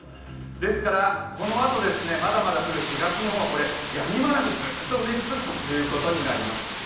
ですから、このあとまだまだ降る東日本はやみ間なくずっと降り続くということになります。